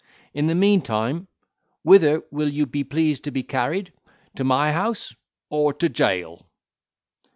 In the meantime, whither will you be pleased to be carried, to my house, or to jail?"